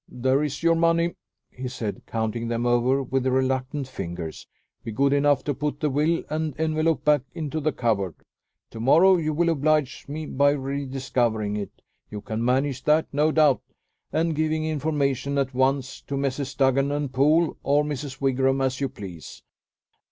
"There is your money," he said, counting them over with reluctant fingers. "Be good enough to put the will and envelope back into the cupboard. Tomorrow you will oblige me by rediscovering it you can manage that, no doubt and giving information at once to Messrs. Duggan and Poole, or Mrs. Wigram, as you please.